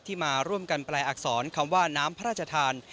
มาร่วมกันแปลอักษรคำว่าน้ำพระราชทาน